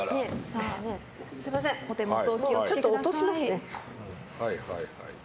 ちょっと落としますね。